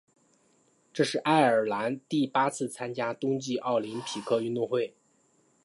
这是爱尔兰第八次参加冬季奥林匹克运动会。